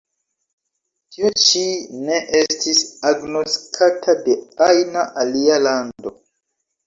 Tio ĉi ne estis agnoskata de ajna alia lando.